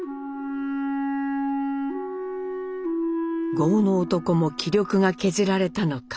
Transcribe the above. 剛の男も気力が削られたのか。